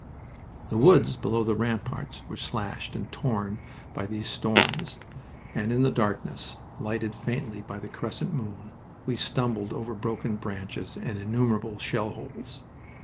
The woods below the ramparts were slashed and torn by these storms, and in the darkness, lightened faintly by the crescent moon, we stumbled over broken branches and innumerable shell holes.